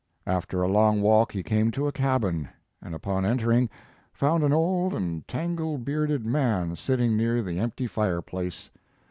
After a long walk he came to a cabin, and, upon entering, found an old and tangle bearded man sitting near the empty fireplace.